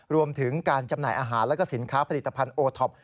รวมถึงการจำหน่ายอาหารและสินค้าผลิตภัณฑ์โอท็อป